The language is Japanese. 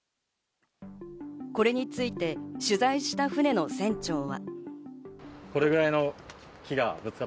これについて、取材した船の船長は。